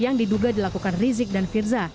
yang diduga dilakukan rizik dan firza